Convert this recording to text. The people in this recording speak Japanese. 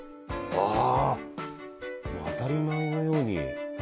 ああ当たり前のように。